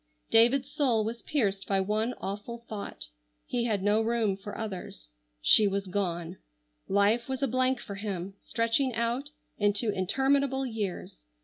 David's soul was pierced by one awful thought. He had no room for others. She was gone! Life was a blank for him! stretching out into interminable years.